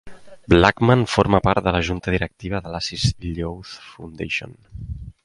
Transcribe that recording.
Blackman forma part de la junta directiva de l'Assist Youth Foundation.